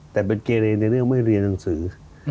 แต่เป็นเกเลในเรื่องไม่เรียนหนังสือ